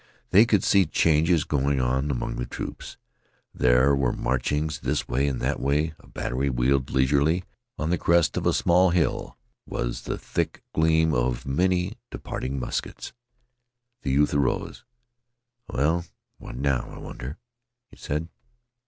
They could see changes going on among the troops. There were marchings this way and that way. A battery wheeled leisurely. On the crest of a small hill was the thick gleam of many departing muskets. The youth arose. "Well, what now, I wonder?" he said.